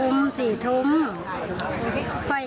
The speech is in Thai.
ไม่ผิดหรือ